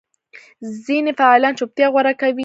ځینې فعالان چوپتیا غوره کوي.